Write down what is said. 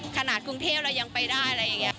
กรุงเทพเรายังไปได้อะไรอย่างนี้